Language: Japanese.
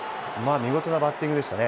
見事なバッティングでしたね。